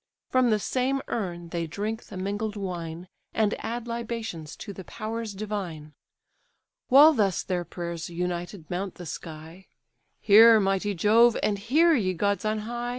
From the same urn they drink the mingled wine, And add libations to the powers divine. While thus their prayers united mount the sky, "Hear, mighty Jove! and hear, ye gods on high!